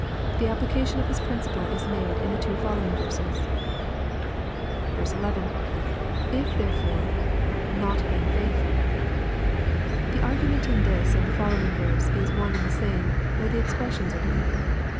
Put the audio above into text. The application of this principle is made in the two following verses. 11. — [If iherefore.^not hem faithful.] The argument in this and the following verse is one and the same, though the expressions are different.